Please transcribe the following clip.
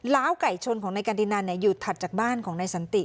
้าวไก่ชนของนายกันดินันอยู่ถัดจากบ้านของนายสันติ